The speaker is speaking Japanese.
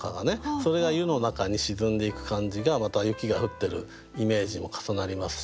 それが湯の中に沈んでいく感じがまた雪が降ってるイメージも重なりますし。